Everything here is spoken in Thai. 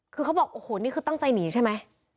คือเขาบอกโอ้โหนี่คือตั้งใจหนีใช่ไหม